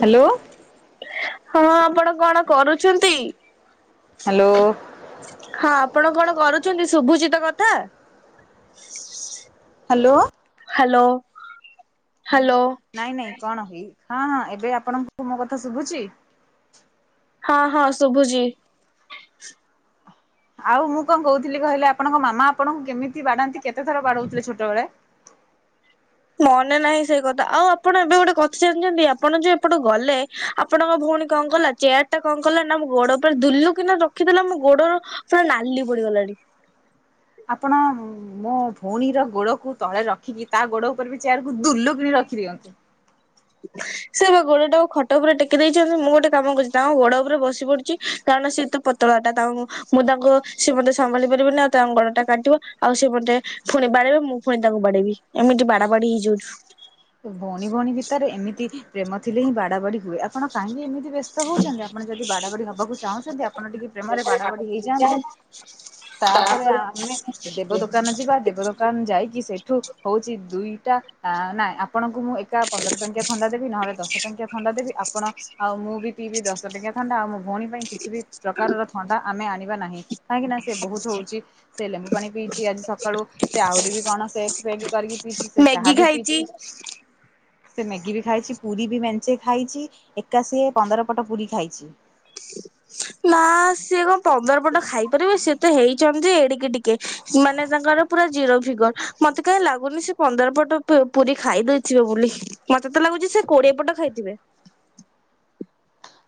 Hello ହଁ ଆପଣ କଣ କରୁଛନ୍ତି? ହ୍ୟାଲୋ। ହଁ ଆପଣ କଣ କରୁଛନ୍ତି, ଶଭୁଚି ତ କଥା? ହ୍ୟାଲୋ। ହ୍ୟାଲୋ। ନାଇଁ ନାଇଁ କଣ ହେଇ ହଁ ହଁ ଏବେ ଆପଣଙ୍କୁ ମୋ କଥା ଶୁଭୁଛି। ହଁ ହଁ ଶୁଭୁଛି। ଆଉ ମୁଁ କଣ କହୁଥିଲି କହିଲେ ଆପଣଙ୍କ ମାମା ଆପଣଙ୍କୁ କେମିତି ବାଡାନ୍ତି କେତେ ଥର ବାଡଉଥିଲେ ଛୋଟବେେଳେ‌? ମନେ ନାହିଁ ସେଇ କଥା ଆଉ ଆପଣ ଏବେ ଗୋଟେ କଥା ଜାଣିଛନ୍ତି ଆପଣ ଯେ ଆପଣ ଗଲେ ଆପଣଙ୍କ ଭଉଣ କଣ କଲା ଚେୟାର ଟା କଣ କଲା ନା ଗୋଡ ଉପରେ ଦୁଲୁ କିନା ର ରଖିଦେଲା ଆମ ଗୋଡର ପୁରା ନାଲି ପଡିଗଲାଣି। ଆପଣ ମୋ ଭଉଣୀର ଗୋଡକୁ ତଳେ ରଖିକି ତା ଗୋଡ ଉପରେ ବି ଚେୟାର କକୁ ଦୁଲୁ କିଣି ରଖିଦିଅନ୍ତୁ। ସେ ବା ଗୋଡଟା ଖଟ ଉପରେ ଟେକି ଦେଇଛନ୍ତି ମୁଁ ଗୋଟେ କାମ କରୁଛି ତାଙ୍କ ଗୋଡ ଉପରେ ବସି ପଡୁଛି। କାରଣ ଶୀତ ପତଳା ଟା ତାଙ୍କୁ ମୁଁ ତାଙ୍କୁ ସେ ମତେ ସମ୍ଭାଳି ପାରିବିନି ଆଉ ତା ଅଙ୍ଗଣଟା କାଟିବ ଆଉ ସେ ମତେ ପୁଣି ବାଡିବ ମୁଁ ପୁଣି ତାଙ୍କୁ ବାଡେଇବି ଏମିତି ବାଡା ବାଡି ହେଇଯାଉଛୁ। ଭଉଣୀ ଭଉଣୀ ଭିତରେ ଏମିତି ପ୍ରେମ ଥିଲେ ହିଁ ବାଡ ବାଡି ହୁଏ। ଆପଣ କାହିଁକି ଏମିତି ବ୍ୟସ୍ତ ହଉଛନ୍ତି ଆପଣ ଯଦି ବାଡ଼ବାଡ଼ି ହେବାକୁ ଚାହୁଁଛନ୍ତି ଆପଣ ଟିକେ ପ୍ରେମରେ ବାଡ଼ବାଡ଼ି ହେଇଯାଆନ୍ତୁ। ତାପରେ ଆମେ ଦେବ ଦୋକାନ ଯିବା ଦେବ ଦୋକାନ ଦ କ ଯାଇକି ସେଇଠୁ ହଉଛି ଦିଇଟା ନାଇଁ ଆପଣଙ୍କୁ ମୁଁ ଟଙ୍କା ପନ୍ଦର ଟଙ୍କିଆ ଥଣ୍ଡା ଦେବି ନହେଲେ ଦଶ ଟଙ୍କଆ ଥଣ୍ଡା ଦେବି ଆପଣ ଆଉ ମୁଁ ବି ପିଇବି ଦଶ ଟଙ୍କିଆ ଥଣ୍ଡା, ଆଉ ମୋ ଭଉଣୀ ପାଇଁ କିଛି ବି ପ୍ରକାରର ଥଣ୍ଡା ଆମେ ଆଣିବା ନାହିଁ। କାହିଁକି ନା ସେ ବହୁତ ହଉଛି ସେ ଲେମ୍ବୁ ପାଣି ପିଇଛି ଆଜି ସକାଳୁ। ସେ ଆହୁରି ବି କଣ ସେଗ ଫେଗ କରିକି ପିଇଛି ସେ ମ୍ୟାଗି ଚାହା ବି ଖାଇଛି ପିଇଚି ସେ ମ୍ୟାଗି ବି ଖାଇଛି ପୁରୀ ବି ମେଞ୍ଚେ ଖାଇଛି ଏକା ସି ପନ୍ଦର ପଟ ପୁରୀ ଖାଇଚି। ନା ସିଏ କଣ ପନ୍ଦର ପଟ ଖାଇପାରିବେ ସେ ତେ ହେଇଛନ୍ତି ଏଡିକି ଟିକେ ମାନେ ତାଙ୍କର ପୁରା ଜିରୋ ଫିଗର ମତେ କାହିଁ ଲାଗୁନି ସେ ପନ୍ଦର ପଟ ପୁରୀ ଖାଇ ଦେଇେଇଥିବ ବୋଲି ମତେ ତ ଲାଗୁଛି ସେ କୋଡିଏ ପଟ ଖାଇଥିବେ।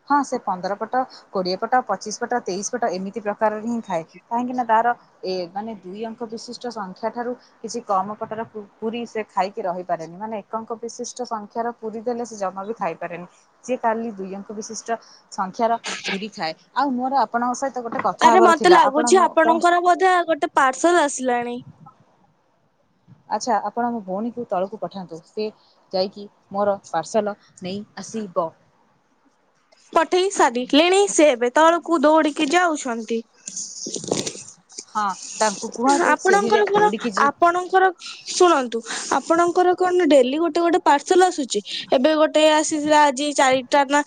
ହଁ ସେ ପନ୍ଦର ପଟ କୋଡିଏ ପଟ ପଚିଶି ପଟ ତେଇଶ ପଟ ଏମିତି ପ୍ରକାରରେ ହିଁ ଖାଏ। କାହିଁକି ନା ତାର ଏ ମାନେ ଦୁଇ ଅଙ୍କ ବିଶିଷ୍ଟ ସଂଖ୍ୟା ରୁ କିଛି କମ ପଟାର ପୁରୀ ସେ ଖାଇକି ରହିପାରେନି ମାନେ ଏକଙ୍କ ବିଶିଷ୍ଟ ସଂଖ୍ୟାର ପୁରୀ ଦେଲେ ସେ ଜମା ବି ଖାଇପାରେନି ଯିଏ ଟାଲି ଦୁଇଙ୍କ ବିଶିଷ୍ଟ ସଂଖ୍ୟାର ପୁରୀ ଥାଏ। ଆଉ ମୋର ଆପଣଙ୍କ ସହିତ ଗୋଟେ କଥା ଆରେ ହେବାର ମତେ ଥିଲା ଆପଣ ଲାଗୁଛି ମୋ କ ଆପଣଙ୍କର ବୋଧେ ଗୋଟେ ପାର୍ସଲ ଆସିଲାଣି। ଆଚ୍ଛା ଆପଣ ଆମ ଭଉଣୀକୁ ତଳକୁ ପଠାନ୍ତୁ ସେ ଯାଇକି ମୋର ପାର୍ସଲ ନେଇ ଆସିବ। ପଠେଇ ସାରି ଲେଣେଇ ସେ ଏବେ ତଳକୁ ଦୌଡିକି ଯାଉଛନ୍ତି। ହଁ ତାଙ୍କୁ କୁହନ୍ତୁ ସିଢ଼ିରେ ଆପଣଙ୍କର କଣ ଦୌଡ଼ିକି ଯିବ ଆପଣଙ୍କର ଶୁଣନ୍ତୁ ଆପଣଙ୍କର କଣ ଡେଲି ଗୋଟେ ଗୋଟେ ପାର୍ସଲ ଆସୁଛି ଏବେ ଗୋଟେ ଗୋଟେ ଆସିଥିଲା ଆଜି ଚାରିଟା ନା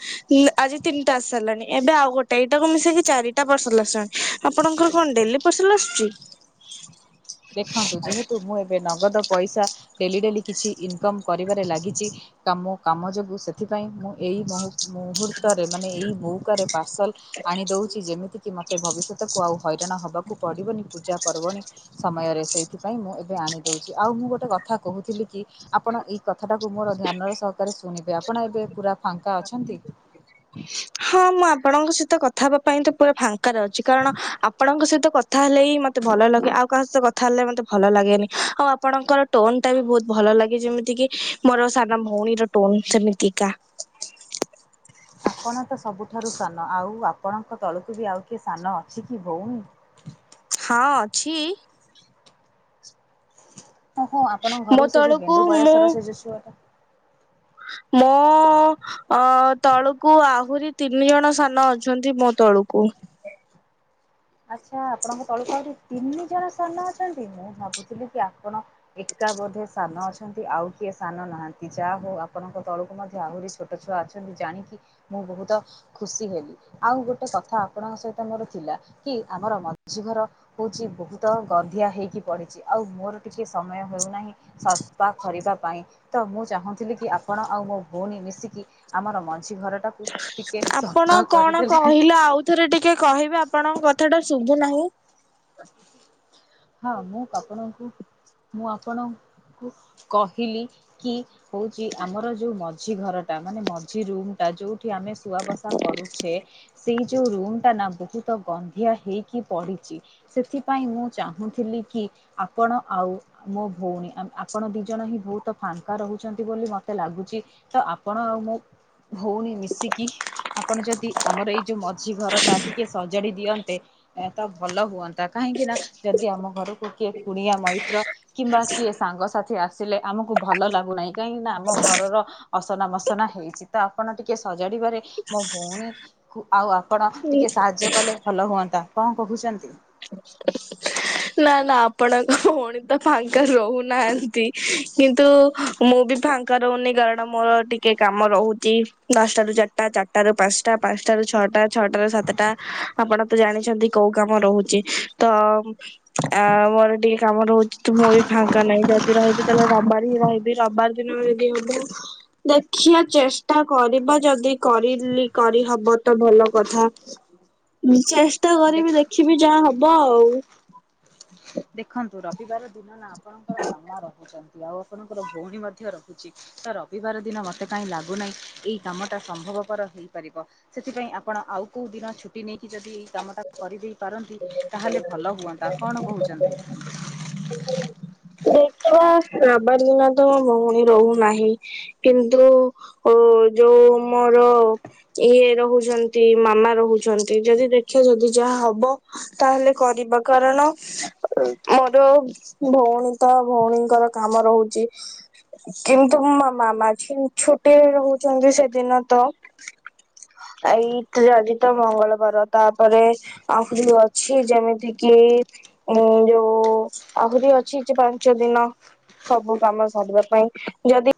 ଆଜି ତିନିଟା ଆସି ସାରିଲାଣି ଏବେ ଆଉ ଗୋଟେ ଏଇଟାକୁ ମିଶେଇକି ଚାରିଟା ପସାରିଲ ଆସି ଆପଣଙ୍କର କଣ ଡେଲି ପାର୍ସଲ ଆସୁଛି? ଦେଖନ୍ତୁ ଯେହେତୁ ମୁଁ ଏବେ ନଗଦ ପଇସା ଡେଲି ଡେଲି କିଛି ଇନକମ୍ କରିବାରେ ଲାଗିଛି କାମ କାମ ଯୋଗୁଁ ସେଥିପାଇଁ ମୁଁ ଏଇ ମୁହୂର୍ତ୍ତରେ ମାନେ ଏଇ ମଉକାରେ ପାର୍ସଲ ଆଣିଦଉଛି ଯେମିତିକି ମୋତେ ମୋତେ ଭବିଷ୍ୟତକୁ ଆଉ ହଇରାଣ ହେବାକୁ ପଡ଼ିବନି ପୂଜା ପର୍ବଣିୀ ସମୟରେ ସେଇଥିପାଇଁ ମୁଁ ଏବେ ଆଣିଦଉଛି ଆଉ ମୁଁ ଗୋଟେ କଥା କହୁଥିଲି କି ଆପଣ ଏଇ କଥାଟାକୁ ମୋର ଧ୍ୟାନର ସହକାରେ ଶୁଣିବେ ଆପଣ ଏବେ ପୁରା ଫାଙ୍କା ଅଛନ୍ତି? [inaudible] ହଁ ମୁଁ ଆପଣଙ୍କ ସହିତ କଥା ହେବା ପାଇଁ ତ ପୁରା ଫାଙ୍କ ଅଛି କାରଣ ଆପଣଙ୍କ ସହିତ କ କଥା ହେଲେ ହିଁ ମତେ ଭଲ ଲାଗେ ଆଉ କାହା ସହିତ କଥା ହେଲେ ମତେ ଭଲ ଲାଗେନି ଆଉ ଆପଣଙ୍କର ଟୋନ ଟା ବି ବହୁତ ଭଲ ଲାଗେ ଯେମିତି କି ମୋର ସାନ ଭଉଣୀର ଟୋନ ସେମିତିକା। ଆପଣ ତ ସବୁଠାରୁ ସାନ ଆଉ ଆପଣଙ୍କ ତଳକୁ ବି ଆଉ କିଏ ସାନ ଅଛି କି ଭଉଣୀ? ହଁ ଅଛି। ଓ ହୋ ଆପଣଙ୍କ ଘର ମୋ ସେ ଯୋଉ ତଳକୁ ଗେଣ୍ଡୁ ମୁଁ ବୟସର ସେ ଯୋଉ ଛୁଆଟା ମୋ ଅ ତଳକୁ ଆହୁରି ତିନି ଜଣ ସାନ ଅଛନ୍ତି ମୋ ତଳକୁ। ଆଚ୍ଛା ଆପଣଙ୍କ ତଳ ଆହୁରି ତିନି ଜଣ ସାନ ଅଛନ୍ତି ମୁଁ ଭାବୁଥିଲି କି ଆପଣ ଏକା ବୋଧେ ସାନ ଅଛନ୍ତି ଆଉ କିଏ ସାନ ନାହାନ୍ତି ଯାହା ହଉ ଆପଣଙ୍କ ତଳକୁ ମଧ୍ୟ ଆହୁରି ଛୋଟ ଛୋଟ ଛୁଆ ଅଛନ୍ତି ଜାଣିକି ମୁଁ ବହୁତ ଖୁସି ହେଲି ଆଉ ଗୋଟେ କଥା ଆପଣଙ୍କ ସହିତ ମୋର ଥିଲା କି ଆମର ମଝି ଘର ହଉଛି ବହୁତ ଗନ୍ଧିଆ ହେଇକି ପଡିଛି ଆଉ ମୋର ଟିକେ ସମୟ ହେଉନାହିଁ ସଫଫା କରିବା ପାଇଁ। ତ ମୁଁ ଚାହୁଁଥିଲି କି ଆପଣ ଆଉ ମୋ ଭଉଣୀ ମିଶିକି ଆମର ମଝି ଘର ଟାକୁ ଆପଣ କଣ କହିଲେ ଆଉଥରେ ଟିକେ କହିବେ ଆପଣଙ୍କ କଥା ଟା ଶୁଭୁନାହିଁ। ହଁ ମୁଁ ଆପଣଙ୍କୁ ମୁଁ ଆପଣ କୁ କହିଲି କି ହଉଛି ଆମର ଯୋଉ ମଝି ଘରଟା ମାନେ ମଝି ରୁମ୍ ଯୋଉଠି ଆମେ ସୁଆ ବସା କରୁଛେ ସେଇ ଯୋଉ ରୁମ ଟା ନା ବହୁତ ତ ଗନ୍ଧିଆ ହୋଇକି ପଡ଼ିଛି ସେଥିପାଇଁ ମୁଁ ଚାହୁଁଥିଲି କି ଆପଣ ଆଉ ମୋ ଭଉଣୀ ଆପଣ ଦୁଇଜଣ ହିଁ ବହୁତ ଫାଙ୍କା ରହୁଛନ୍ତି ବୋଲି ମୋତେ ଲାଗୁଛି। ତ ଆପଣ ଆଉ ମୋ ଭଉଣୀ ମିଶିକି ଆପଣ ଯଦି ଆମର ଏଇ ଯୋଉ ମଝି ଘର ଟା ଟିକେ ସଜାଡି ଦିଅନ୍ତେ ତ ଭଲ ହୁଅନ୍ତା କାହିଁକି ନା ଯଦି ଆମ ଘରକୁ କିଏ କୁଣିଆ ମୈତ୍ର କିମ୍ବା କିଏ ସାଙ୍ଗସାଥି ଆସିଲେ ଆମକୁ ଭଲ ଲାଗୁନାହିଁ। କାହିଁକି ନା ଆମ ଘରର ଅସନା ମସନା ହେଇଛି ତ ଆପଣ ଟିକେ ସଜାଡିବାରେ ମୋ ଭଉଣୀ ଆଉ ଆପଣ ଟିକେ ସାହାଯ୍ୟ କଲେ ଭଲ ହୁଅନ୍ତା କଣ କହୁଛନ୍ତି [inaudible] ନା ନା ଆପଣଙ୍କ ଭଉଣୀ ତ ଫାଙ୍କା ରହୁନାହାନ୍ତି କିନ୍ତୁ ମୁଁ ବି ଫାଙ୍କା ରହୁନି କାରଣ ମୋର ଟିକେ କାମ ରହୁଛି ଦଶଟା ରୁ ଚାରିଟା ଚାରି ଚାରି ଟାରୁ ପାଞ୍ଚଟା ପାଞ୍ଚଟାରୁ ଛଅଟା ଛଅଟା ରୁ ସାତଟା ଆପଣ ତ ଜାଣିଛନ୍ତି କୋଉ କାମ ରହୁଛି ତ ଆ ମୋର ଟିକେ କାମ ରହୁଛି ତ ମୁଁ ବି ଫାଙ୍କା ନାହିଁ ଯଦି ରହିବି ତାହେଲେ ରବିବାର ହିଁ ରହିବି ରବିବାର ଦିନ ଯଦି ହବ ଦେଖିବା ଚେଷ୍ଟା କରିବା ଯଦି କରିଲି କରିହବ ତ ଭଲ କଥା। ଚେଷ୍ଟା ଦେଖ କରିବି ଦେଖିବି ଯାହା ହବ ଆଉ। ଦେଖନ୍ତୁ ରବିବାର ଦିନ ନା ଆପଣଙ୍କର ମାମା ରହୁଛନ୍ତି ଆଉ ଆପଣଙ୍କର ଭଉଣୀ ମଧ୍ୟ ରହୁଛି। ତ ରବିବାର ଦିନ ମତେ କାହିଁ ଲାଗୁନାହିଁ ଏଇ କାମ ଟା ସମ୍ଭବପର ହେଇପାରିବ। ସେଥିପାଇଁ ଆପଣ ଆଉ କୋଉ ଦିନ ଛୁଟି ନେଇକି ଯଦି ଏଇ କାମଟାକୁ କରିଦେଇ ପାରନ୍ତି ତାହେଲେ ଭଲ ହୁଅନ୍ତା କଣ କହୁଛନ୍ତି? ଦେଖିବା ରବିବାର ଦିନ ତ ମୋ ଭଉଣୀ ରହୁନାହିଁ। କିନ୍ତୁ ଅ ଯୋଉ ମୋର। ଇଏ ରହୁଛନ୍ତି ମାମା ରହୁଛନ୍ତି ଯଦି ଦେଖେ ଯଦି ଯାହା ହବ। ତାହେଲେ କରିବା କାରଣ ମୋର। ଭଉଣୀ ତ ଭଉଣୀଙ୍କର କାମ ରହୁଛି। କିନ୍ତୁ ମ ମାମା ଛି ଛୁଟିରେ ରହୁଛନ୍ତି ସେଦିନ ତ। ଏଇଥି ରେ ଅଜି ତ ମଙ୍ଗଳବାର ତାପରେ। [unintelligible] ଅଛି ଯେମିତି କିି ଉଁ ଯୋଉ ଆହୁରି ଅଛି ଯେ ପାଞ୍ଚ ଦିନ। ସବୁ କାମ ସରିବା ପାଇଁ ଯଦି